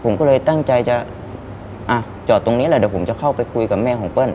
ผมก็เลยตั้งใจจะอ่ะจอดตรงนี้แหละเดี๋ยวผมจะเข้าไปคุยกับแม่ของเปิ้ล